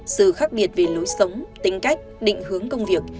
sự khác biệt về lối sống tính cách định hướng công việc